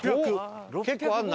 結構あるな。